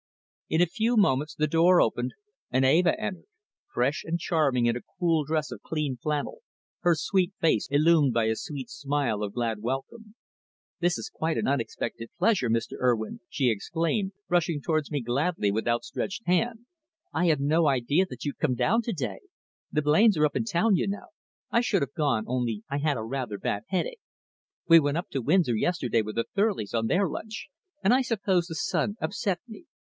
In a few moments the door opened and Eva entered, fresh and charming in a cool dress of cream flannel, her sweet face illumined by a smile of glad welcome. "This is quite an unexpected pleasure, Mr. Urwin!" she exclaimed, rushing towards me gladly with outstretched hand. "I had no idea that you'd come down to day. The Blains are up in town, you know. I should have gone, only I had a rather bad headache. We went up to Windsor yesterday with the Thurleys on their launch, and I suppose the sun upset me.